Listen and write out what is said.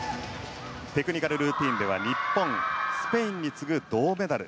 テクニカルルーティンでは日本、スペインに次ぐ銅メダル。